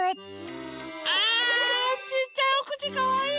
あちっちゃいおくちかわいい！